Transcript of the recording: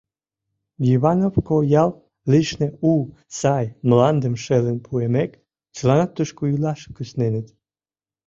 Йывановко ял лишне у, сай мландым шелын пуымек, чыланат тушко илаш кусненыт.